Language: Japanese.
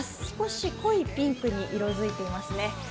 少し濃いピンクに色づいていますね。